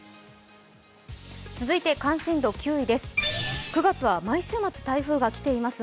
続いて関心度９位です。